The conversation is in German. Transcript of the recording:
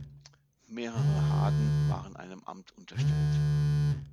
Mehrere Harden waren einem Amt unterstellt.